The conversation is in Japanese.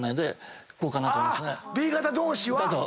Ｂ型同士は。